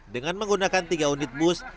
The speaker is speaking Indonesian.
dengan menggunakan tiga unit bus